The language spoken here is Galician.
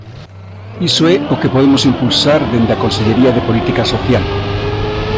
Iso é o que podemos impulsar dende a Consellería de Política Social.